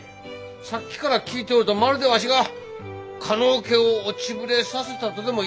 さっきから聞いておるとまるでわしが加納家を落ちぶれさせたとでも言いたげじゃが。